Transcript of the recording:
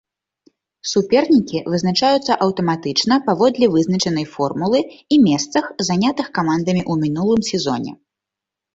Супернікі вызначаюцца аўтаматычна паводле вызначанай формулы і месцах, занятых камандамі ў мінулым сезоне.